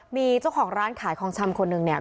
มีเจ้าของร้านขายของชำคนหนึ่งเนี่ย